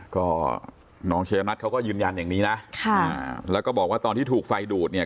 ก็น้องเชียร์นัทเขาก็ยืนยันอย่างนี้นะค่ะแล้วก็บอกว่าตอนที่ถูกไฟดูดเนี่ย